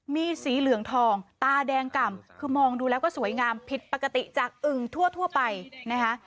มีสีเหลืองทองตาแดงกล่ำคือมองดูแล้วก็สวยงามผิดปกติจากอึ่งทั่วไปนะคะ